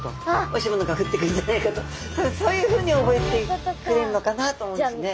おいしいものが降ってくるんじゃないかと多分そういうふうに覚えてくれるのかなと思うんですね。